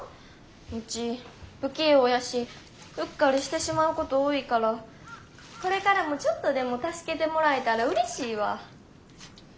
ウチ不器用やしうっかりしてしまうこと多いからこれからもちょっとでも助けてもらえたらうれしいわ。